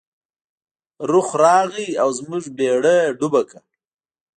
رخ راغی او زموږ بیړۍ یې ډوبه کړه.